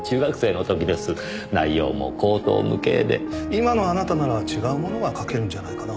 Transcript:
今のあなたなら違うものが書けるんじゃないかな？